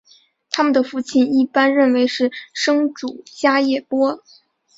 他们的父亲一般认为是生主迦叶波。